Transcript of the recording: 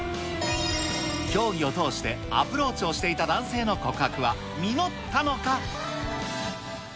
競技を通して、アプローチをしていた男性の告白は実ったのか。